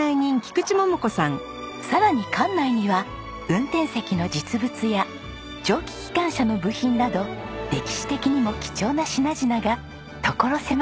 さらに館内には運転席の実物や蒸気機関車の部品など歴史的にも貴重な品々が所狭しと並んでいます。